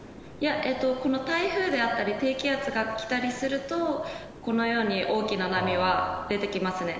台風であったり低気圧が来たりするとこのように大きな波は出てきますね。